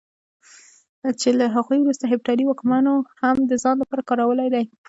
چې له هغوی وروسته هېپتالي واکمنو هم د ځان لپاره کارولی دی.